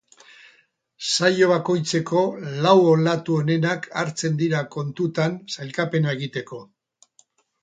Saio bakoitzeko lau olatu onenak hartzen dira kontutan sailkapena egiteko.